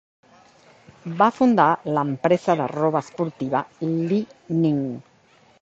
Va fundar l'empresa de roba esportiva Li-Ning.